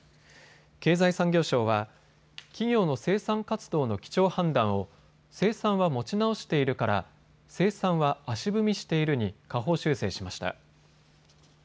経済産業省は企業の生産活動の基調判断を生産は持ち直しているから生産は足踏みしているに下方修正しました。